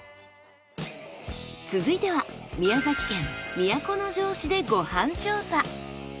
続いては宮崎県都城市でご飯調査。